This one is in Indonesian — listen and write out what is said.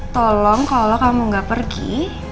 tolong kalau kamu nggak pergi